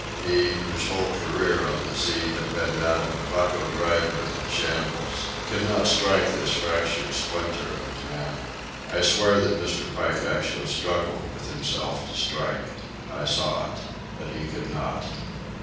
He, whose whole career on the sea had been that of a bucko driver in a shambles, could not strike this fractured splinter of a man. I swear that Mr. Pike actually struggled with himself to strike. I saw it. But he could not.